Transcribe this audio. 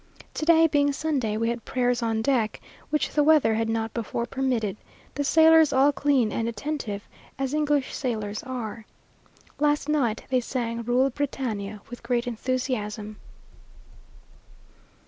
To day being Sunday, we had prayers on deck, which the weather had not before permitted; the sailors all clean and attentive, as English sailors are. Last night they sang "Rule Britannia," with great enthusiasm.